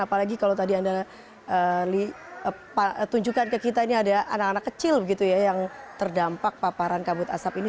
apalagi kalau tadi anda tunjukkan ke kita ini ada anak anak kecil begitu ya yang terdampak paparan kabut asap ini